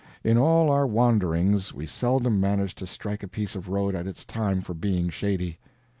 In all our wanderings we seldom managed to strike a piece of road at its time for being shady.